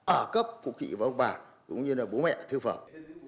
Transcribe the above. ở cấp cụ kỵ và ông bà cũng như là bố mẹ thương phẩm